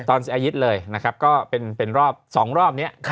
ตอนอาทิตย์เลยนะครับก็เป็นรอบ๒รอบนี้